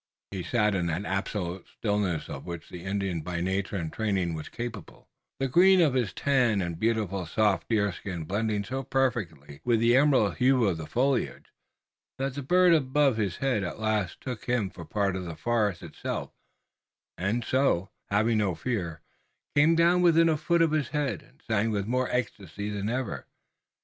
He sat in that absolute stillness of which the Indian by nature and training was capable, the green of his tanned and beautifully soft deerskin blending so perfectly with the emerald hue of the foliage that the bird above his head at last took him for a part of the forest itself and so, having no fear, came down within a foot of his head and sang with more ecstasy than ever.